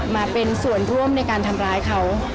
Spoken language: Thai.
มาเป็นส่วนร่วมในการทำร้ายเขา